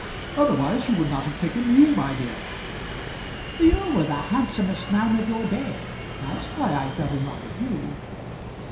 "Otherwise you would have not taken me, my dear." "You were the handsomest man of your day. That's why I fell in love with you."